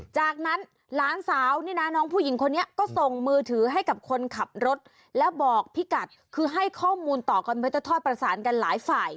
จากนั้นหลานสาวนี่นะน้องผู้หญิงคนนี้ก็ส่งมือถือให้กับคนขับรถแล้วบอกพี่กัดคือให้ข้อมูลต่อกันเพื่อจะทอดประสานกันหลายฝ่าย